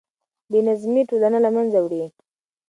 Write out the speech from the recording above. بې نظمي ټولنه له منځه وړي.